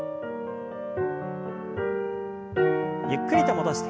ゆっくりと戻して。